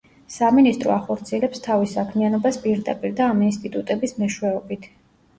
სამინისტრო ახორციელებს თავის საქმიანობას პირდაპირ და ამ ინსტიტუტების მეშვეობით.